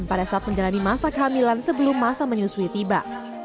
pada saat menjalani masa kehamilan sebelum masa menyusui tiba